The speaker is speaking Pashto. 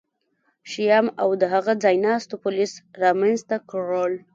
شیام او د هغه ځایناستو پولیس رامنځته کړل